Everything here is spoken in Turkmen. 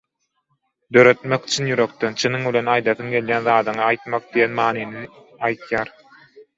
Döretmek çyn ýürekden, çynyň bilen aýdasyň gelýän zadyňy aýtmak» diýen manyny aýdýar.